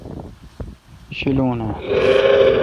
شیلون اں۔